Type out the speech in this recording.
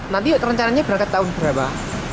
nanti rencananya berangkat tahun berapa